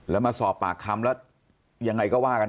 แล้วมาสอบปากคำแล้วยังไงก็ว่ากัน